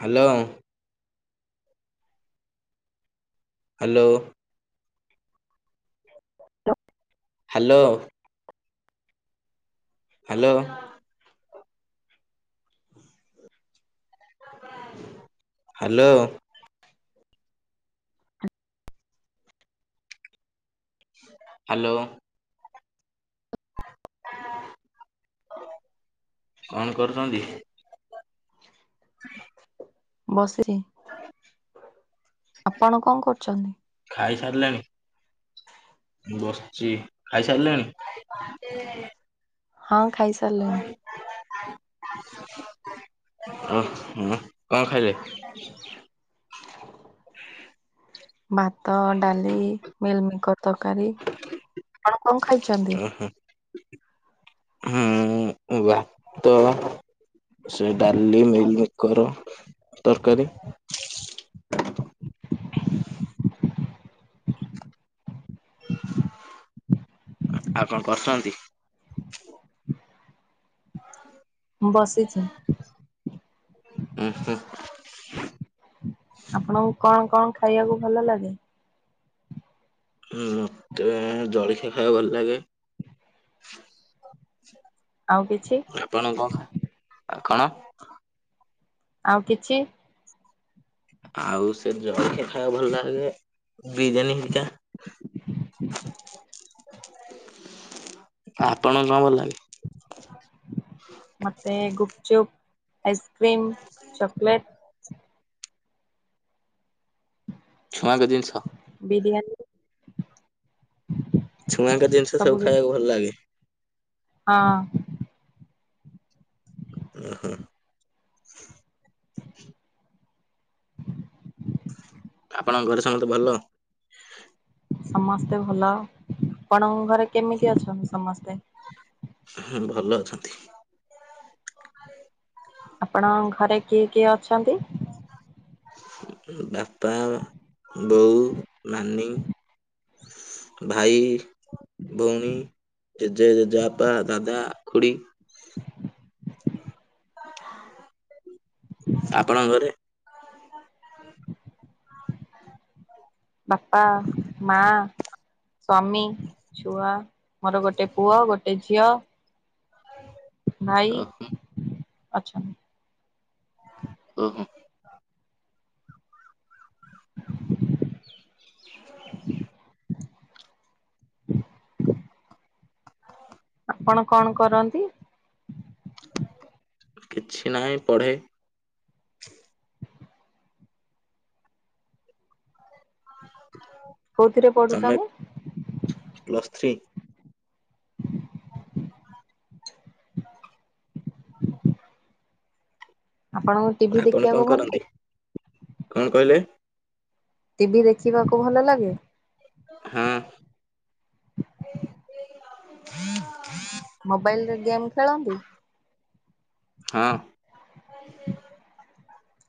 Hello. Hello. Hello. Hello. Hello. Hello. କଣ କରୁଛନ୍ତି? ହ ବସିଇରି। ଆପଣ କଣ କରୁଛନ୍ତି? ଖାଇସାରିଲେଣି? ବସଚି ଖାଇସାରିଲେନି। ହଁ ଖାଇଚି। ଓ ହ କଣ ଖାଇଲେ? ଭାତ ଡାଲି ମିଲମିକର ତରକାରୀ ଆପଣ କଣ ଖାଇ ଓହୋ। ହୁଁ ଭାତ ସେ ଡାଲି ମିଲମିକର ତରକାରୀ। ଆପଣ କରୁଛନ୍ତି। ବସିଛି। ଉଁ ହୁଁ। ଆପଣଙ୍କୁ କଣ କଣ ଖାଇବାକୁ ଭଲ ଲାଗେ? ହୁଁଁ ମତେ ଜଳଖିଆ ଖାଇବା ଭଲ ଲାଗେ। ଆଉ କିଛି? ଆପଣ କଣ ଖାଆ ଆପଣ। ଆଉ କିଛି? ଆଉ ସେ ଜଳଖିଆ ଖାଇବାକୁ ଭଲ ଲାଗେ ବିରିୟାନୀ ଘରିକା। ଆପଣଙ୍କୁ କଣ ଭଲ ଲାଗେ? ମତେ ଗୁପଚୁପ୍ ଆଇସକ୍ରିମ ଚକଲେଟ। [inaudible] ଛୁଆଁଙ୍କ ଜିନିଷ। ବିରିୟାନୀ। ଛୁଆଙ୍କ ଜିନିଷ ସବୁ ଖାଇବାକୁ ଭଲ ଲାଗେ। ହଁ। ଓହୋ। ଆପଣଙ୍କ ଘରେ ସମସ୍ତେ ଭଲ। ସମସ୍ତେ ଭଲ ଆପଣଙ୍କ ଘରେ କେମିତି ଅଛନ୍ତି ସମସ୍ତେ। ହୁଁ ଭଲ ଅଛନ୍ତି। ଆପଣଙ୍କ ଘରେ କିଏ କିଏ ଅଛନ୍ତି? ଉଁ ବାପା ବୋଉ ନାନୀ। ଭାଇ ଭଉଣୀ। ଜେଜେ ଜେଜେବାପା ଦାଦା ଖୁଡି। ଆପଣଙ୍କ ଘରେ। ବାପା ମା ସ୍ୱାମୀ ଛୁଆ। ମୋର ଗୋଟେ ପୁଅ ଗୋଟେ ଝିଅ। [inaudible] ଭାଇ ଓହୋ ଅଛନ୍ତି। ଓହୋ। [inaudible] [unintelligible] ଆପଣ କଣ କରନ୍ତି? କିଛି ନାହିଁ ପଢ଼େ। କୋଉଥିରେ ପଢୁଛନ୍ତି। Plus three. ଆପଣଙ୍କ। ଆପଣ କଣ କରନ୍ତି କଣ କହିଲେ? ଟିଭିି ଦେଖିବାକୁ ଭଲ ଲାଗେ। ହଁ। ମୋବାଇଲରେ ଗେମ୍ ଖେଳନ୍ତି। ହଁ।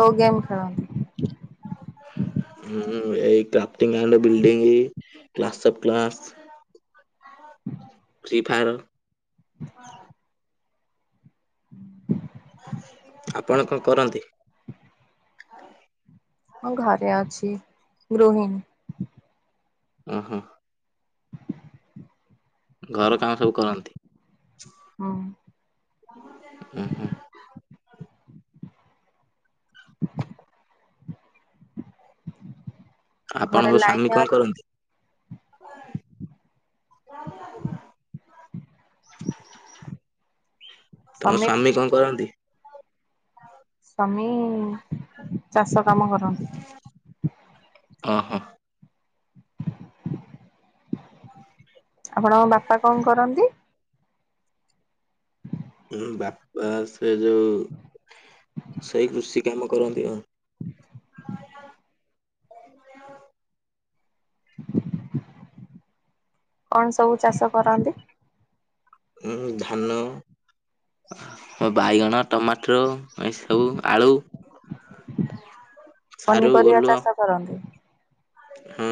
କୋଉ ଗେମ୍ ଖେଳନ୍ତି। [inaudible] ମୁଁ ଏଇ crafting and building class up class. Free fire. [inaudible] ଆପଣ କଁ କରନ୍ତି? ମୁଁ ଘରେ ଅଛି ଗୃହିଣୀ। ଓହୋ। ଘର କାମ ସବୁ କରନ୍ତି। ହଁ। ଉଁ ହୁଁ। [inaudible] ଘରେ ଆପଣଙ୍କ ଲାଇନ ସ୍ଵାମୀ କଣ ଅଛି କରନ୍ତି? [inaudible] ତମ ସ୍ୱାମୀ ସ୍ଵାମୀ କଣ କରନ୍ତି? ସ୍ୱାମୀ ଚାଷ କାମ କରନ୍ତି। ଓ ହୋ। ଆପଣଙ୍କ ବାପା କଣ କରନ୍ତି? [inaudible] ହୁଁ ବାପା ସେ ଯୋଉ ସେଇ କୃଷି କାମ କରନ୍ତି ଆଉ। କଣ ସବୁ ଚାଷ କରନ୍ତି? ଉଁ ଧାନ। ହ ବାଇଗଣ, ଟମାଟର, ଏ ସବୁ ଆଳୁ। [inaudible] ପନିପରିବା ଓଲୁଅ ଚାଷ କରନ୍ତି? ହୁଁ।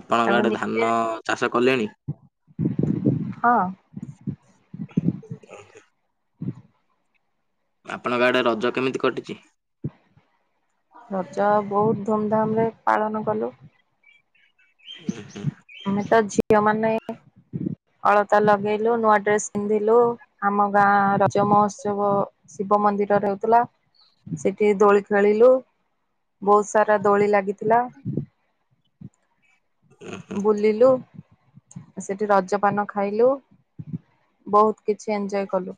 ଆପଣଙ୍କ ତାକୁ ଆଡ଼େ ନିଜେ ଧାନ ଚାଷ କଲେଣି? ହଁ। ଓକେ। ଆପଣଙ୍କ ଆଡେ ରଜ କେମିତି କଟିଚି? ରଜ ବହୁତ ଧୁମ୍ ଧାମ୍ ରେ ପାଳନ କଲୁ। ଉଁ ହୁଁ। ଆମେ ତ ଝିଅ ମାନେ ଅଳତା ଲଗେଇଲୁ, ନୂଆ ଡ୍ରେସ ପିନ୍ଧିଲୁ, ଆମ ଗାଁ ରଜ ମହୋତ୍ସବ ଶିବ ମନ୍ଦିରରେ ହେଉଥିଲା ସେଠି ଦୋଳି ଖେଳିଲୁ। ବହୁତ ସାରା ଦୋଳି ଲାଗିଥିଲା। ବୁଲିଲୁ। ସେଠି ରଜପାନ ଖାଇଲୁ ବହୁତ କିଛି ଏଞୟ କଲୁ।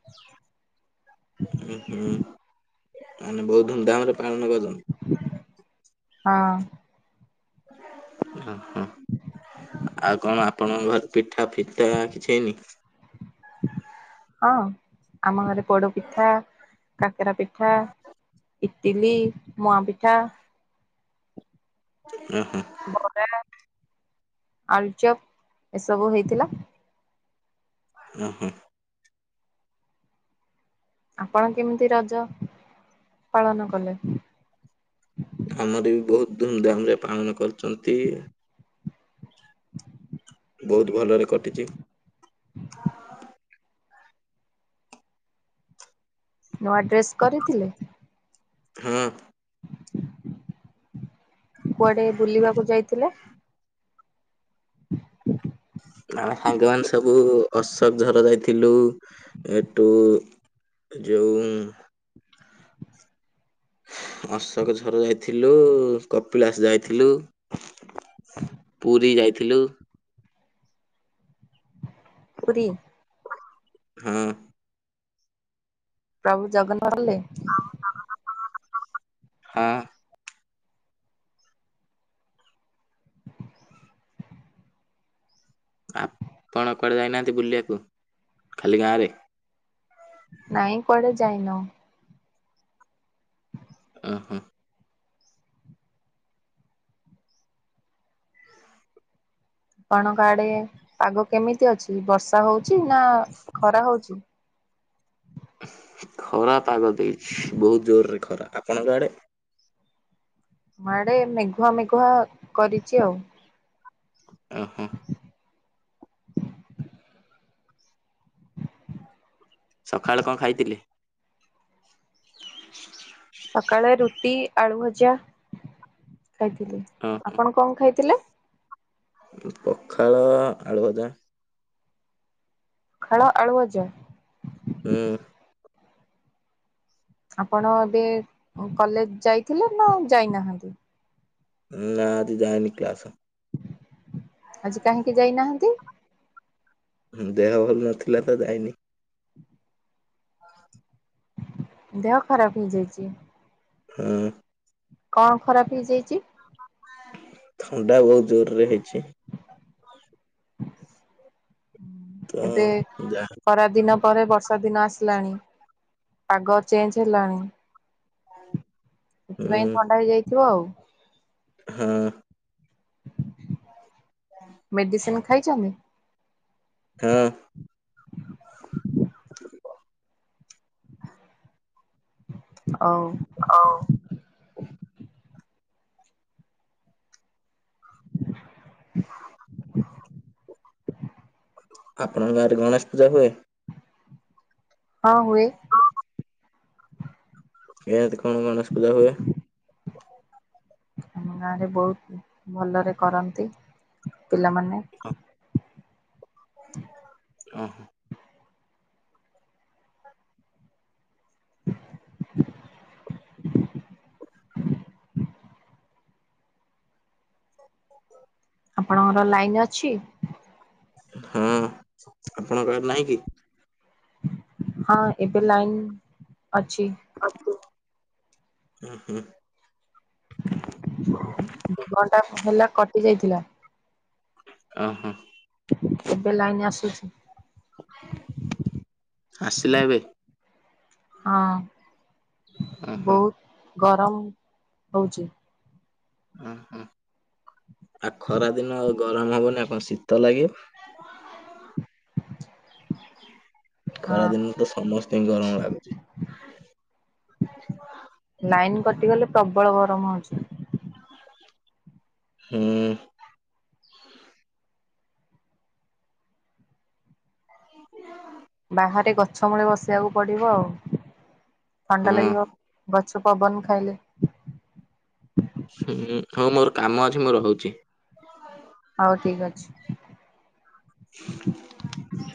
ଉଁ, ହୁଁ ମାନେ ବହୁତ ଧୁମ୍ ଧାମରେ ପାଳନ କନୁ। ହଁ। ହଁ, ହଁ ଆଉ କଣ ଆ ଆପଣଙ୍କ ଘରେ ପିଠା ଫିଟା କିଛି ହେଇନି? ହଁ ଆମ ଘରେ ପୋଡପିଠା କାକେରା ପିଠା, ଇଟିଲି, ମୁଆଁ ପିଠା। ଉଁ ହୁଁ। ବରା, ଆଳୁଚପ୍ ଏସବୁ ହେଇଥିଲା। ଉ, ହୁଁ। ଆପଣ କେମିତି ରଜ ପାଳନ କଲେ? ଆମର ବି ବହୁତ ଧୁମ୍ ଧାମ୍ ରେ ପାଳନ କରୁଛନ୍ତି। ବହୁତ ଭଲରେ କଟିଚି। [inaudible] ନୂଆ ଡ୍ରେସ୍ କରିଥିଲେ? ହଁ। କୁଆଡେ ବୁଲିବାକୁ ଯାଇଥିଲେ? [inaudible] ଆମେ ସାଙ୍ଗମାନେ ସବୁ ଅଶୋକଝର ଯାଇଥିଲୁ ହେଟୁ ଯୋଉଁ ଅଶୋକ ଝର ଯାଇଥିଲୁ କପିଳାସ ଯାଇଥିଲୁ। ପୁରୀ ଯାଇଥିଲୁ। ପୁରୀ? ହୁଁ। ପ୍ରଭୁ ଜଗନ୍ନାଥ ହେଲେ। ହଁ। କଣ କୁଆଡ଼େ ଯାଇନାହାନ୍ତି ବୁଲିବାକୁ ଖାଲି ଗାଁରେ? ନାଇଁ କୁଆଡେ ଯାଇନୋଉଁ। ହୁଁ ଉଁ। ଆପଣଙ୍କ ଆଡେ ପାଗ କେମିତି ଅଛି ବର୍ଷା ହୋଉଚି ନା ଖରା ହୋଉଚି? ଖରା ପାଗ ଦେଇଚି ବୋହୁତ ଜୋରରେ ଖରା ଆପଣଙ୍କ ଆଡ଼େ? ମାଆଡେ ମେଘୁଆ ମେଘୁଆ କରିଚି ଆଉ। ଓହୋ। ସକାଳେ କଣ ଖାଇଥିଲେ? ସକାଳେ ରୁଟି ଆଳୁ ଭଜା ଖାଇଥିଲି ଓହୋ ଆପଣ କଣ ଖାଇଥିଲେ? ପଖାଳ ଆଳୁ ଭଜା। ପଖାଳ ଆଳୁ ଭଜା? ହୁଁ। ଆପଣ ଏବେ କଲେଜ୍ ଯାଇଥିଲେ ନା ଯାଇନାହାନ୍ତି? ନାଁ ଆଜି ଯାଇନି କ୍ଲାସ। ଆଜି କାହିଁକି ଯାଇନାହାନ୍ତି? ହୁଁ ଦେହ ଭଲ ନଥିଲା ତ ଯାଇନି। ଦେହ ଖରାପ ହେଇଯାଇଚି? ହୁଁ। କଣ ଖରାପ ହେଇଯାଇଚି? ଥଣ୍ଡା ବୋହୁତ ଜୋର ରେ ହେଇଯାଇଚି। ତ ଏତେ ଯା ଖରା ଦିନ ପରେ ବର୍ଷା ଦିନ ଆସିଲାଣି। ପାଗ ଚେଞ୍ଜ ହେଲାଣି। ହଉ ସେଥିପାଇଁ ଥଣ୍ଡା ହେଇଯାଇଥିବ ଆଉ। ହଁ। ମେଡିସିନ ଖାଇଛନ୍ତି? ହଁ। ହଉ। ଅଉ। [inaudible] ଆପଣଙ୍କ ଗାଁ ରେ ଗଣେଶ ପୂଜା ହୁଏ? ହଁ ହୁଏ। ଏ ହାତି କଣ ଗଣେଶ ପୂଜା ହୁଏ। ଆମ ଗାଁରେ ବୋହୁତ ଭଲରେ କରନ୍ତି ପିଲାମାନେ। ଓହୋ। [inaudible] ଆପଣଙ୍କର ଲାଇନ୍ ଅଛି? ହଁ ଆପଣଙ୍କ ର ନାହିଁ କି? ହଁ ଏବେ ଲାଇନ୍ ଅଛି। ଆପ୍ ହୁଁ ହୁଁ।। ଦି ଘଣ୍ଟା ହେଲା କଟି ଯାଇଥିଲା। ଓ ହୋ। ଏବେ ଲାଇନ୍ ଆସୁଛି। ଆସିଲେ ଏବେ? ହଁ ଓହୋ ବହୁତ। ଗରମ ହଉଛି। ଓହୋ ଆଉ ଖରା ଦିନ ଗରମ ହବନି କଣ ଶୀତ ଲାଗିବ। ହ। ଖରାଦିନରେ ତ ସମସ୍ତେ ହିଁ ଗରମ ଲାଗୁଛି। ଲାଇନ କଟିଗଲେ ପ୍ରବଳ ଗରମ ହଉଛି। ହୁଁ। [inaudible] ବାହାରେ ଗଛ ମୂଳେ ବସି‌ ସେଇଆକୁ ପଡିବ ଆଉ ଥଣ୍ଡା ହଁ। ଲାଗିବ ଗଛ ପବନ ଖାଇଲେ। ହୁଁ ହଉ ମୋର କାମ ଅଛି ମୁଁ ରହୁଛି। ହଉ ଠିକ୍ ଅଛି। [inaudible]